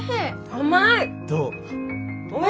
甘い！